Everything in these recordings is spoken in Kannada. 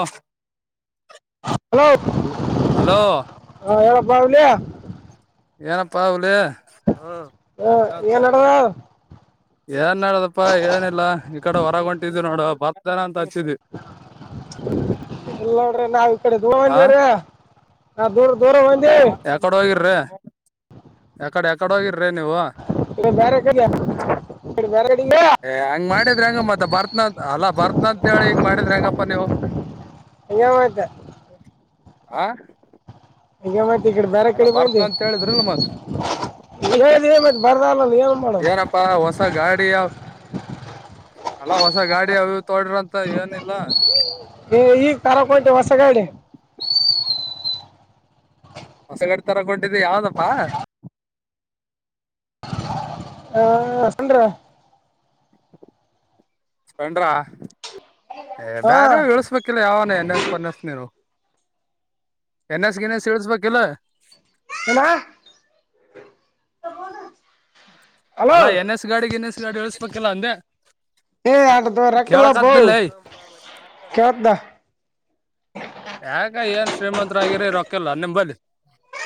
ಓ ಹಲೋ ಹಲೋ ಹಾ ಹೇಳಪ್ಪ ಹುಲಿ ಏನಪ್ಪಾ ಹುಲಿ ಹ ಏನಾಡೊ ಏನ್ ನಡದಪ್ಪಾ ಏನಿಲ್ಲ ಈ ಕಡೆ ಹೊರಗ ಹೊಂಟಿದವಿ ನೋಡುವ ಬರ್ತೇನ ಅಂತ ಹ ಇಲ್ಲ ನೋಡ್ರಿ ನಾವ್ ಈಕಡೆ ಆ ದೂರಬಂದಿವಿ ನಾ ದೂರ ದೂರ ಬಂದಿ ಯಕಡೆ ಯಕಡೆ ಹೋಗಿರ್ ಇದು ಬೇರೆ ಕಡೆ ಬೇರೆ ಕಡೆಗೆ ಏ ಹಂಗ ಮಾಡಿದ್ರೆ ಹೆಂಗಮ್ಮ ಅ ಬರ್ತ್ನ ಅಲ್ಲಾ ಬರ್ತ್ನ ಅಂತ ಹೇಳಿ ಹಿಂಗ ಮಾಡಿದ್ರ ಹೆಂಗಪ್ಪಾ ನೀವು ಹಂಗೆ ಮತ್ತೆ ಆ ಈಗ ಮತ್ ಈ ಕಡೆ ಬೇರೆ ಅಲ್ಲ ಕಡೆ ಬರ್ತನ ಬಂದಿ ಅಂತ ಹೇಳಿದ್ರಿಲ್ ಮತ್ ಹೇಳಿದೀನಿ ಬರ್ದ ಅಲ್ಲಲ್ಲ ಏನ್ ಮಾಡದು ಏನಪ್ಪಾ ಹೊಸ ಗಾಡಿ ಯಾವ ಅಲ್ಲಾ ಹೊಸ ಗಾಡಿ ಅವು ತಕೊಂಡ್ರು ಅಂತ ಹೇಳಿ ಈಗ ತರೋಕೋ ಹೋಗ್ತಿವಿ ಹೊಸಗಾಡಿ ಹೊಸ ಗಾಡಿ ತರಕೊಂಡಿದ್ದಿ ಯಾವ್ದಪ್ಪಾ ಹ ಸ್ಪಲೆಂಡರ್ ಸ್ಪಲೆಂಡರ್ ಏ ಹಾ ಬ್ಯಾರ ಇಳಸ್ಬೇಕಿಲ್ಲ ಯಾವನ ಏನ್ ಎಸ್ ಎನ್ ಎಸ್ ಗಿನಿಸ್ ಇಳಿಸಿಬೇಕಿಲ್ಲ ಏನಾ ಅಲ್ಲಾ ಎನ್ ಎಸ್ ಗಾಡಿ ಗಿನಿಸ್ ಗಾಡಿ ಇಳಿಸಬೇಕಿಲ್ಲ ಅಂದೇ ಏ ಅದು ರೊಕ್ಕಿಲ್ಲ ಬೋ ಕೇಳಾಕದಿಲ್ಲೆ ಕೇಳ್ದ ಯಾಕ ಏನ್ ಶ್ರೀಮಂತರಾಗಿರಿ ರೊಕ್ಕಯಿಲ್ಲ ನಿಂಬದಿ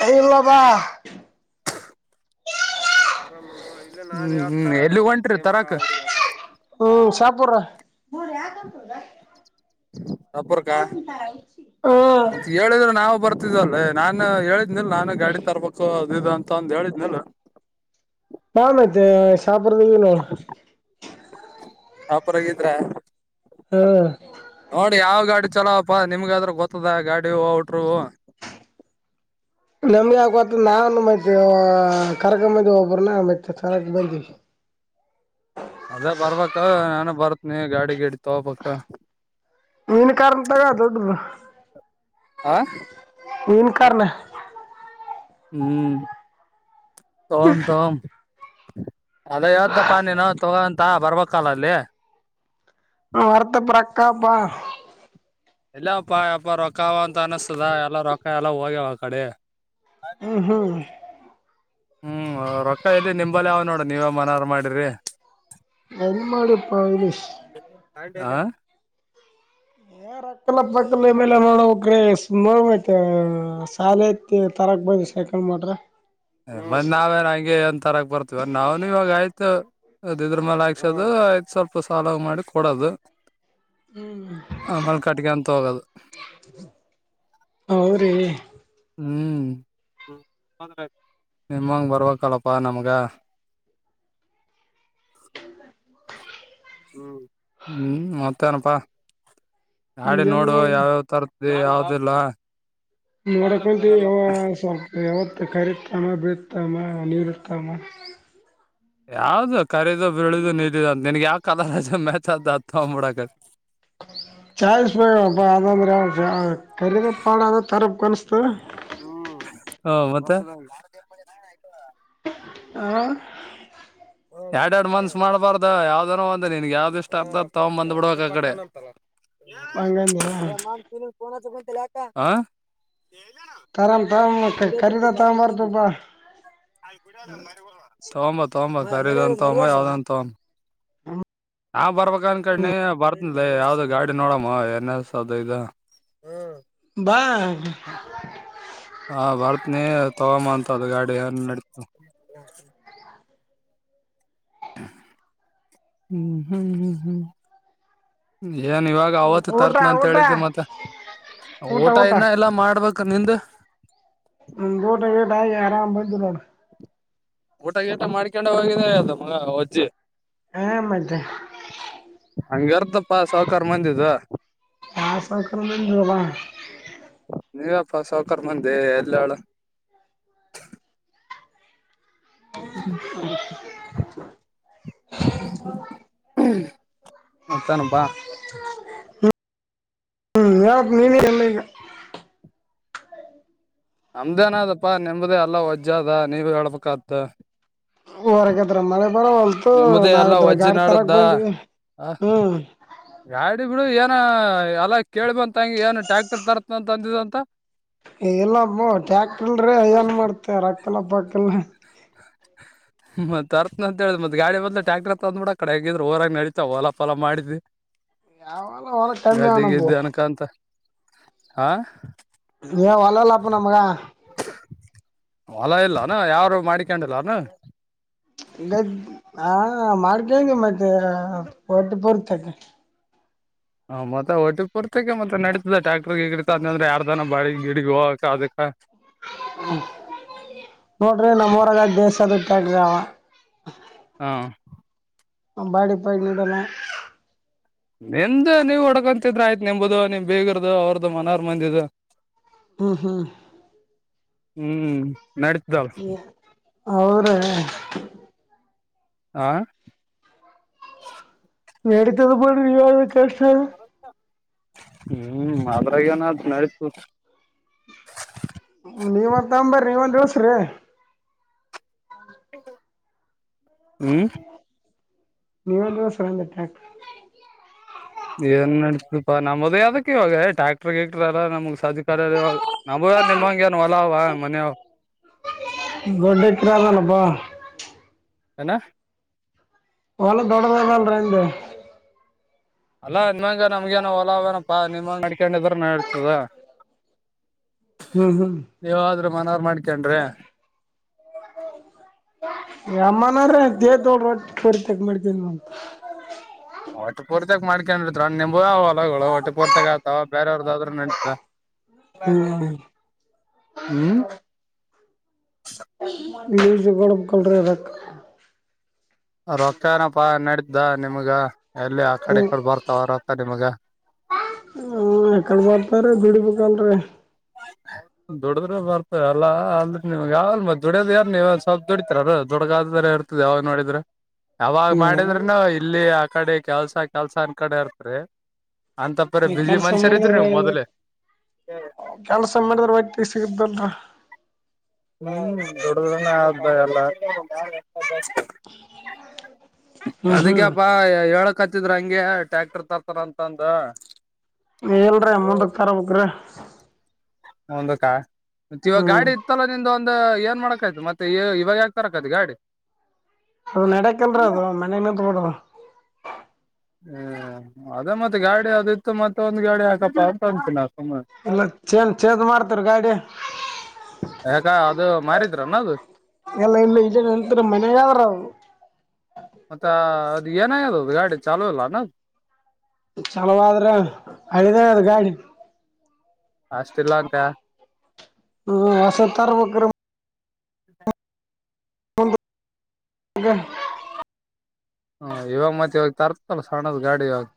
ಅವೊಬ ಹ್ಮ ಹ್ಮ ಎಲ್ಲಿಗೆ ಹೊಂಟ್ರಿ ತರಾಕ್ ಹ್ಮ್ ಸಪುರ್ ಸಪುರ್ಕ ಹ್ಮ್ ಹೇಳಿದ್ರೆ ನಾವು ಬರ್ತ ಗತಲ್ಲೇ ನಾನ್ ಹೇಳಿದ್ನಲ್ ನಾನು ಗಾಡಿ ತರಬೇಕು ಅದು ಅಂತ ಒಂದು ಹೇಳಿದ್ನಲ್ ಬಾ ಮತ್ತೆ ಸಪೂರಕ್ಕೆ ನೀನು ಮತ್ ಸಪೂರಕಿದ್ರ ಹ್ಮ ನೋಡಿ ಯಾವ ಗಾಡಿ ಚಲೋಪ್ಪ ನಿಮ್ಗ ಆದ್ರ ಗೊತ್ತದ ಗಾಡಿ ಔಟರ್ ನಮ್ಗೆ ಗೊತ್ತಿಲ್ಲ ಮತ್ತೆ ಕರಗಂಬಂದಿ ಒಬ್ಬನ್ನ ಮತ್ತೆ ಕರಕ್ ಬಂದಿವವಿ ಅದೇ ಬರ್ಬೇಕ ನಾನು ಬರ್ತ್ನಿ ಗಾಡಿ ಗೀಡಿ ತಗೋಬೇಕು ಮಿನಿ ಕಾರ್ ತಕೊ ದೊಡ್ಡದು ಆ ಮೀನೀ ಕಾರನೇ ಹ್ಮ್ ತಕೊ ತಕೊ ಅದೇ ಹೇಳಿದ್ನಪ್ಪಾ ನೀನು ತಕೊ ಅಂತ ಬರ್ಬೇಕಲ್ಲ ಅಲ್ಲಿ ಸುರಪುರಕ್ಕೆ ಬಾ ಇಲ್ಲಪ್ಪಾಯಪ್ಪ ರೊಕ್ಕ ಅವ ಅಂತ ಅನಿಸ್ತದ ಎಲ್ಲ ರೊಕ್ಕ ಎಲ್ಲ ಹೋಗ್ಯವ ಆತಗೆ ಹ ಹ್ಮ ಹ್ಮ್ ರೊಕ್ಕ ಎಲ್ಲಿ ನಿಂಬಲ್ ಅವಾ ನೋಡ ನೀವ್ ಮನರ್ ಮಾಡಿರಿ ಎನ್ ಮಾಡಡಿ ಪೈಲಿ ಹ ಏ ರ ಅಕ್ಕಲ ಪಕ್ಕಲ್ ಮತ್ತೆ ಆಮ್ ಎಲ್ ಎ ನೋಡಕ್ರೆ ಸು ಶಾಲೆ ಐತಿ ತರಕ್ ಬ ಸೈಕಲ್ ಮೋಟ್ರ ಮತ್ತ್ ನಾವೇನ್ ಹಂಗೆ ಒಂದ ತರಾಕ್ ಬರ್ತೀವ ನಾವ್ನು ಇವಾಗ ಆಯ್ತು ಮ ಅ ಇದ್ರ ಮೇಾಲ ಹಾಕ್ಸೋದು ಯತ್ ಸ್ವಲ್ಪ ಸಾಲವ್ ಮಾಡಿ ಕೊಡೋದು ಆಮಲ್ ಕಟ್ಗೆ ಅಂತ ಹೋಗದು ಹೌ ರೀ ಹ್ಮ್ ನಿಮ್ಮಂಗ ಬರ್ಬೇಕಲ್ಲಪ್ಪಾ ನಮ್ಗ [unintelligible] ಹ್ಮ ಹ್ಮ್ ಮತ್ತೇಏನಪಾ ನಾಡಿ ಏನ್ ನೋಡು ಯಾವ್ಯಾವ ತರದ ಯಾವ್ದಿಲ್ಲ ನೋಡಕ ಹೊಲ್ತಿವಿ ಯ ಸ್ವಲ್ಪ ಯಾವತ್ತ ಖರೀ ತಾನ ಬಿ ಇರ್ತ್ತಮ್ಮ ನೀರು ಇರ್ತಾಮ ಯಾವ್ದ ಕರೀದುು ಬಿಳದುು ನಿಲ್ಲಿದು ಅಂತ ನನ್ಗ್ ಯಾವ ಕಲ ರಜೆ ಮ್ಯಾಚ್ದ್ದ ಅತ್ ತಗ್ಬಿಡಕತಿ ಚಾಳಸ್ ಮ ಬಬ ಅದ ಅಂದ್ರೆ ಕ ಪ ಅದ ತರ ಕನ್ಸ್ತ ಹಾ ಮತ್ತೆ ಹ ಎರಡ್ ಎರಡ್ ಮನ್ತ್ಸ್ ಮಾಡ್ಬಾರ್ದ ಯಾವ್ದನೋ ಒಂದ ನಿನ್ಗ್ ಯಾವ್ದ ಇಷ್ಟ ಆರ್ತಾರ ತಗೊಂಡ್ ಬಂದ್ ಬಿಡ್ಬಕ್ ಆ ಕಡೆ ಹಂಗಂದ್ಯ [unintelligible] ತರಾಮ್ ತಾಮ ಕರಿ ದ ತಾಮ ಬರ್ತುಪ್ಪ ತಂಬ ತೊಂಬ ಖರೀದಂತ ತಂಬ ಯಾವ್ದಂತ ತನ್ ನಾ ಬರ್ಬೇಕ ಅನ್ಕಣಿ ಬರ್ತನ್ಲ ಯಾವ್ದ ಗಾಡಿ ನೋಡಮ್ಮ ಏನ್ಸ ಅದು ಇ ಬಾ ಹಾ ಭಾರತ್ನೇ ತಗಾಮ ಅಂತ ಅದು ಗಾಡಿ ಏನ್ ನಡೀತು ಹ್ಮ್ ಹ್ಮ್ ಹ್ಮ್ ಹ್ಮ್ ಹ್ಮ ಏನ್ ಇವಾಗ ಅವತ್ತು ಊಟ ತರ್ತ್ನ ಅಂತ ಊಟ ಹೇಳಿದ್ದೆ ಮತ್ತೆ ಊಟ ಇನ್ನ ಎಲ್ಲಾ ಮಾಡ್ಬೇಕು ಕನ್ನಿಂದ ಹ್ಮ ದೋಟ ಗೇಟ ಆ ಆರಾಮ ಬಂದಿವಿ ನೋಡ್ ಊಟ ಗೇಟ ಮಾಡ್ಕೊಂಡ ಹೋಗಿದೆ ಅದು ಮಗ ವಜ್ಜಿ ಹಾ ಮತ್ತೆ ಹಂಗಗೆರ್ತಪ್ಪ ಸಾಹಕಾರ ಮಂದಿದ ಹ ಸೌಕ್ರರಮ ನಲ ನೀವಪ್ಪಾ ಸಾವಕರ್ ಮಂದೆ ಎಲ್ಲಳ ಹ್ಮ್ಮ ಮತ್ತಪ್ಪಾ ಹ್ಮ್ ನ್ ನೀನ ಎಲ್ಲಗ ನಮ್ದೇನದಪ್ಪಾ ನೆಂಬದೇ ಎಲ್ಲ ಒಜ ಅದ ನೀವ ಹೇಳ್ಬತ್ತ ಅವರಗದ್ರ ಮೆ ಬರ ಹೊಲ್ತು ನಿಮ್ದೇ ಎಲ್ಲಾ ನಾವ್ರ ವಜ್ಜಿ ಗಾಡಿ ತರಕ್ ನಾಡದ್ದ ಬಂದ್ವಿ ಹ್ಮ್ ನ ಬಿಡು ಏನ ಎಲ್ಲ ಕೇಳಳ್ಬಂತಂಗ ಏನ್ ಟ್ಯಾಕ್ಟರ್ ತರತ್ಂತ ಅಂದ್ಂತ ಇಲ್ಲಪ್ಪ ಟ್ಯಾಕ್ಟರ್ರ ಏನ್ ಮಾಡ್ತ ರಕ್ಕಲ್ಲಪ್ಪಕಲ್ಲ ಮತ್ತತ್ ಅರ್ತ್ನ ಅಂತ ಹೇಳಿದ ಮತ್ ಗಾಡಿ ಬದ್ ಟ್ಯಾಕ್ಟರ್ ತಂದ್ ಬಿಡ ಕಡೆ ಆಗಿದ್ರರಾಗ ನಡಿತಾ ಲಾಫಲ ಮಾಡಿದಿ ಯಾವಲ್ಲ ಹೊಲ ಕಮ್ಮಿ ಅವ ನಮ್ಮವು ಗಾದೆಗೆದು ಅನಕ ಅಂತ ಹಾ ವಲ್ಲಲ್ಲಪ್ಪ ನಮಗೆ ನ ಯಾರು ಮಾಡಿಕೊಂಡಿಲ್ಲಾನ ಗರ್ ಹಾ ಮಾಡ್ಕಂಗಗೆ ಮತ್ತೆ ಒಟ್ಟ ಪೂರ್ತಕ ಹ ಮತ್ತೆ ಒಟ್ಟಿ ಪುರ್ತೆಕ ಮತ್ತೆ ನಡತದೆ ಟ್ಯಾಕ್ಟ್ರಿ ಗಿಡಿತ ಅಂತಂದ್ರೆ ಯಾರ್ ದನ ಬಾಳ ಗಿಡಗ್ ಹೋಗ ಅದಕ್ಕ ನೋಡ್ರಿ ನಮ್ಮೂರಾಗ [unintelligible] ಹಾ ಹ ಬಾಡಿ ಪಾಯ ನೀಡಲ್ಲ ನಿಮ್ದ ನೀವ್ ಹೊಡ್ಕೊಂತಿದ್ರ ಆಯ್ತು ನಿಂಬದು ನಿಮ್ ಬೀಗರದು ಅವ್ರದು ಮನಾರ್ ಮಂದಿದ. ಹ್ಮ ಹೂ ಹ್ಮ್ ನಡಿತದ ಹೌದ್ರಿ ಅವರದ ಹಾ ನಡಿತದ ಬಿಡರೀ ವಿವಾ ಕಷ್ಟಾ ಹ್ಮ್ ಅದ್ರಾಗ ಏನಾದ್ ನಡತ ನೀವೊಂದ ತಗೊಂಬರಿ ನೀವೊಂದ್ ಇಳ್ಸ್ರಿ ಹ್ಮ್ ನೀವುಂದ ಸರಂತ ಟ್ಯಾಕ್ ಏನ್ ನಡತಪಾ ನಮ್ಮದೇ ಅದಕ್ಕೆ ಇವಾಗ ಟ್ಯಾಕ್ಟರ ಗಿಕ್ಟಲ್ಲ ನಮ್ಗ್ ಸಜ್ ಕಲೇಲ ಇವಾಗ ನ ನಿಮ್ಮಗೆನ್ ಹೊಲಾ ಅವ ಮನಿ ಅವಾ ದೊಡ್ಡ ಇತ್ರರದಾನಪ್ಪ ಏನ್ ಒಲ್ಲ ದೊಡ್ಡದದ ಹೆಂಗ್ ಅಲ್ಲಾ ನಿನ್ಮ್ಮಂಗ ನಮ್ಗಏನೋ ಹೊಲಾವೇನಪ್ಪ ನಿಮ್ಮಂಗ ನಡಡ್ಕೊಂಡಿದ್ರ ನಾ ಇರ್ತದ ಹ್ಮ್ ಹ್ಮ್ ಮನೆವರ ಮಾಡ್ಕೊಂಡ್ರೆ [unintelligible] [unintelligible] ಮಾಡ್ಕೊಂಡ್ ನಿಂಬ ಹೊಲಗಳು ಒಟ್ಟ ಹೊರ್ತಾಗ ಆತಾವ ಬೇರವ್ರದಾದ್ರರು ನಡತದ ಹ್ಮ್ [unintelligible] [unintelligible] ರೊಕ್ಕ ಏನಪಾ ನಡ್ದ ನಿಮ್ಗ ಎಲ್ಲಿ ಆ ಕಡೆ ಕಡೆ ಬರ್ತಾವ ರೊಕ್ಕ ನಿಮಗ ಎಕಡೆ ಬರ್ತಾರೆ ಗುಡಿ ಬೇಕನ್ ರೀ [unintelligible] ದುಡದ್ರೆ ಬರ್ತದ ಎಲ್ಲಾ ಅಂದ್ರ ನೀಮ್ ಯಾವಲ್ ಮ ದುಡ್ಡಿಯೋದ ಯಾರ್ ನೀವ ಒ ಸ್ವಲ್ಪ ದುಡಿತರ ದುಡಗಾದ್ರ ಡ್ತದ ಯಾವ್ ನೋಡಿದ್ರೆ ಯಾವಾಗ ಮಾಡಿದ್ರನು ಇಲ್ಲಿ ಆ ಕಡೆ ಕೆಲ್ಸಾ ಕೆಲ್ಸ ಅಂದ ಕಡೆ ಇರ್ತ್ರಿ ಅಂತಪ್ಪರಿ ಈ ಬಿಸಿ ಕೆಲ್ಸ ಮನುಷ್ಯರ ಇದ್ರರು ನೀವು ಮಾಡಿದ್ರ ಮೊದ್ಲೆೇ ಕೆಲ್ಸ ಮಾಡಿದ್ರ ವೈತಿಗೆ ಸಿಗುದಲ್ರೀ ಹ್ಮ್ ದೊಡ ಆದ ಎಲ್ಲಾ ಹ್ಮ್ ಅದಕ್ಕೆಪ್ಪಾ ಹ್ಮ್ ಹೇಳೊದ ಹ ಕತ್ತಿದ್ರ ಹಂಗೆ ಟ್ಯಾಕ್ಟರ್ ತರ್ತಾರ ಅಂತ ಅಂದ ಹೇಳಲ್ರರಿ ಅ ಮುಂದಕ್ ತರ ಬಕರಿ ಒಂದಕ್ಕ ಮ ಇವಾಗ ಹ್ಮ್ ಗಾಡಿ ಇತ್ತಲ್ಲ ನಿಂದ ಒಂದ ಮಾಡಕೈತಿ ಮತ್ತೆ ಇವಾಗ ಯಾಕ ತರಕತಿ ಗಾಡಿ ಅದು ನಡಕಲ್ರ ಅದು ಮನ ಮತ್ ಬಿಡ ಹ್ಮ ಅದೇ ಮತ್ತೆ ಗಾಡಿ ಅದ ಇತ್ತು ಮತ್ತೆ ಒಂದ್ ಗಾಡಿ ಹಾಕಪ್ಪ ಅಂತ ಅಂತ ನಾ ಸುಮ್ನೆ ಇಲ್ಲ ಚೇಜ್ ಚೇಂಜ್ ಮಾಡ್ತರ ಗಾಡಿ ಯಾಕ ಅದು ಮಾರಿದ್ರನ್ನ ಅದು ಇಲ್ಲ ಇಲ್ಲ ಇ ನಂತರ ಮನೆ ಅವ್ರರು ಏನ ಯದು ಗಾಡಿ ಚಾಲುಇಲ್ಲಾನ್ ಚಾಲುವಾದ್ರ ಹಳಿದದು ಗಾಡಿ ಅಷ್ಟಲ್ಲಾ ಅಂತಿಯಾ ಹ್ಮ್ ಹೊಸದ ತರ ಬೇಕ್ರಿ [unintelligible] [unintelligible] ಹಾ ಇವಾಗ ಮತ್ತೆ ಇವಾಗ ತರ್ತಲ್ಲ ಸಣ್ಣದ ಗಾಡಿ ಇವಾಗ.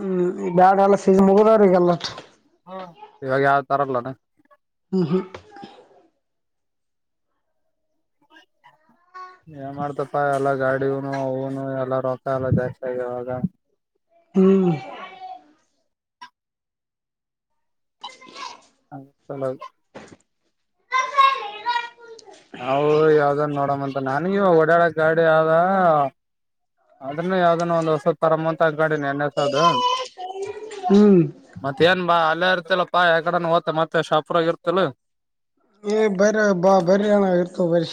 ಹ್ಮ್ ಬ್ಯಾಡ ಎಲ್ಲ ಸೀಜ ಮುಗದರಿಗೆಲ್ಲ. ಇವಾಗ ಯಾವ್ದ ತರ ಲಡ್ಡ. ಹ್ಮ ಏನ್ ಮಾಡ್ತಪ್ಪಾ ಎಲ್ಲ ಗಾಡಿನು ಅವ್ನು ಎಲ್ಲ ರೊಕ್ಕ ಎಲ್ಲ ಜಾಸ್ತಿ ಆಗ್ಯವ ಇವಾಗ. ಹ್ಮ [unintelligible] ನಾವು ಯಾವ್ದನ್ ನೋಡಮ್ಮಂತ ನನ್ಗ ಹೊಡ್ಯಡಕ ಗಾಡಿ ಆದ. ಆದನು ಯಾವ್ದನ ಒಂದ್ ಹೊಸತ್ ತರೋಮವಂತ ಗಾಡಿನ ನಿನ್ನಂತಹ ಅದು ಹ್ಮ್ ಹ್ಮ್ ಮತ್ತ ಏನ್ ಬಾ ಅಲ್ಲೇ ಇರ್ತಲ್ಲಪ್ಪಾ ಎಕಡೆನ ಹೊತ್ಯ ಮತ್ತೆ ಶಾಪೂರ್ಗ ಇರ್ತಿಲ್ಲ. [inaudible] ಏ ಬರ್ಯ ಬಾ ಬರ್ರ ಏನ ಇರ್ತಾವ ಬರ್ರಿ.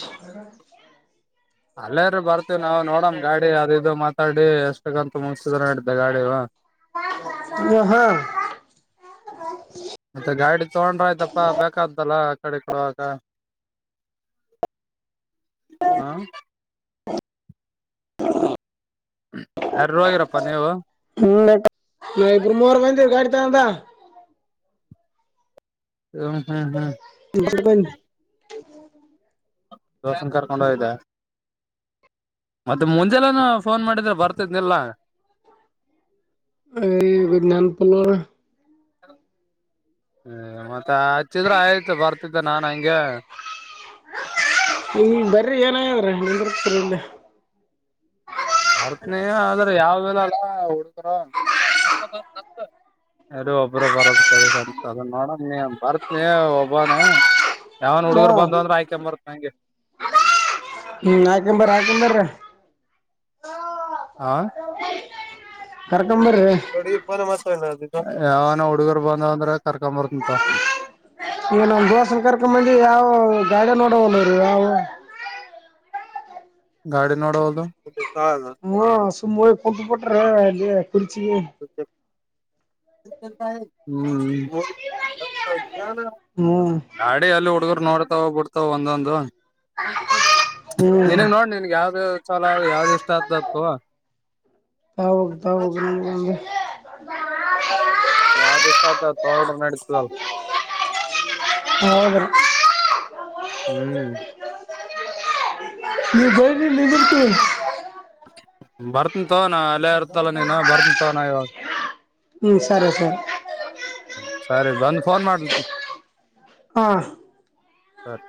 ಅಲ್ಲೇರ ಬರ್ತೀ ನಾವು ನೋಡಮ್ ಗಾಡಿ ಅದು ಇದು ಮಾತಾಡಿ ಎಷ್ಟಗಂತ ಮುಗ್ಸಿದ್ರ ಆತ ಗಾಡಿನ. ಹ ಹಾ. ಮತ್ತೆ ಗಾಡಿ ತಗೊಂಡ್ರ ಆಯ್ತಪ್ಪಾ ಬೇಕಾತಲ್ಲ ಆಕಡೆ ಈಕಡಿ ಹೋಗಕ. ಹ ಯಾರ್ಯಾರ್ ಹೋಗಿರಪ್ಪಾ ನೀವು. ಹ್ಮ [inaudible] ನಾ ಇಬ್ರು ಮೂವರು ಬಂದಿದ್ರು ಗಾಡಿ ತಗೊಂಡ್ ಹ್ಮ ಹ್ಮ್ ಹ್ಮ್ [unintelligible] ರೋಷನ್ ಕರ್ಕೊಂಡ್ ಹೋಗಿದ್ದೆ ಮತ್ತೆ ಮುಂಜೆಲ್ಲಾನು ಫೋನ್ ಮಾಡಿದ್ರೆ ಬರ್ತಿದ್ದಿಲ್ಲ ಹೇ ನೆನಪಿಲ್ಲ ನೋಡು ಹ್ಮ ಮತ್ತೆ ಹಚ್ಚಿದ್ರ ಆಯ್ತು ಬರ್ತಿದ್ದೆ ನಾನ್ ಹಂಗೆ ಈಗ ಬರ್ರಿ ಏನಾಗ್ಯಾದ್ರಿ ನಿಂದ್ರಿಸ್ತೀನಿಲ್ಲೆ ಬರ್ತೀನಿ ಆದ್ರ ನಾವು ಇಲ್ಲಲ್ಲ ಹುಡುಗರ ಎಲ್ಲಿ ಒಬ್ಬ್ರ ಬರೋದ [unintelligible] ಅನುಸ್ತಾದ ನೋಡಮ್ ನೀ ಬರ್ತನಿ ಒಬ್ಬಾನೆ ಯಾವನ್ ಹಾ ಹುಡುಗರು ಬಂದುವು ಅಂದ್ರ ಹಾಕೆಂಡ ಬಾರಪ್ಪ ಹಂಗೆ. ಹ್ಮ್ ಆಕಾಂಬರ್ ಆಕಂಬರ್ರಿ ಆ ಕರ್ ಯಾವನ ಹುಡುಗರು ಬಂದವು ಅಂದ್ರ ಕರ್ಕೊ ಬರ್ತಿನ್ ತೊಗೋ. ಈವ ನಮ್ ದೋಸ್ತನ್ ಕರ್ಕಂಬ ಮಂದಿ ಯಾವ ಗಾಡ ನೋಡವ ನೀ ಯಾವವು. ಗಾಡಿ ನೋಡಹುದು ಹ ಸುಮ್ಮ ಹೋಗ್ ಕುಂತ್ ಬಿಟ್ರೆ ಇ ಕುರ್ಚಿ. [unintelligible] ಹ್ಮ್ ಹ್ಮ್ ಗಾಡಿ ಎಲ್ಲಿ ಹುಡುಗರು ನೋಡ್ ನೋಡ್ತವ ಬಿಡ್ತಾವ ಒಂದೊಂದು ನಿನಗ್ ಹ್ಮ್ ನೋಡ ನಿನ್ಗೆ ಯಾವ್ದೇ ಚಲೋ ಯಾವ್ದಿ ಇಷ್ಟ ಆತನ ತಗೋ. ತಾವೋಗ್ ತಾವೋಗ್ [unintelligible] ಯಾವ ದಿಸಾತ ಅದ್ ತೋಂಡ್ರಾ ನಡಿತದಲ್ ಹೌದ್ರ ಹ್ಮ್ [unintelligible] ಬರ್ತೀನ್ ತಗೋ ನಾ ಅಲ್ಲೇ ಇರ್ತಲ್ಲ ನೀನು ಬರ್ತನ್ ತಗೋ ನಾ ಇವಾಗ್. ಹ್ಮ್ ಸರಿ ಸರಿ ಸರಿ ಬಂದ್ ಫೋನ್ ಮಾಡ್ಲಿ ಹ ಸರಿ